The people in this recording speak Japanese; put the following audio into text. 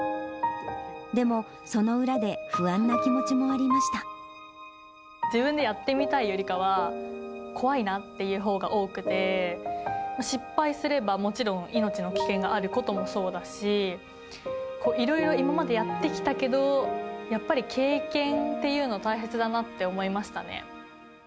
でも、その裏で不安な気持ちもあ自分でやってみたいよりかは、怖いなっていうほうが多くて、失敗すればもちろん命の危険があることもそうだし、いろいろ今までやってきたけど、やっぱり経験っていうの、大切だなって思いましたね。